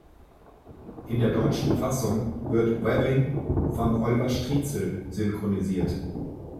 In der deutschen Fassung wird Weaving von Oliver Stritzel synchronisiert.